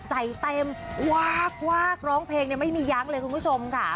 ใส่เต็มว้าวร้องเพลงไม่มีย้างเลยคุณผู้ชมค่ะ